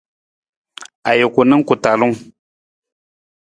Ajuku na ku talung.